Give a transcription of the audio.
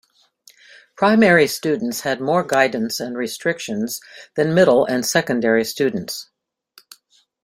Primary students had more guidance and restrictions than middle and secondary students.